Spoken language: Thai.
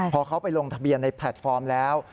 พอเขาไปลงทะเบียนในแพลตฟอร์มแล้ว